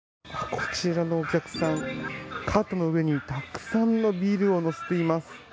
こちらのお客さん、カートの上にたくさんのビールを乗せています。